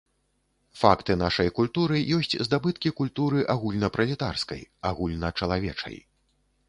Факты нашай культуры ёсць здабыткі культуры агульнапралетарскай, агульначалавечай.